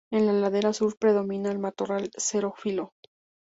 En la ladera sur predomina el matorral xerófilo.